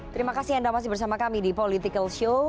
terima kasih anda masih bersama kami di political show